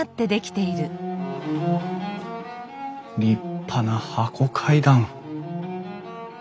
立派な箱階段！